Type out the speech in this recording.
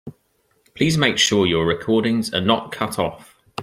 Please make sure your recordings are not cut off.